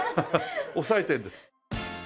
抑えてるんです。